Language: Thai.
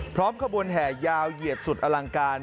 ขบวนแห่ยาวเหยียดสุดอลังการ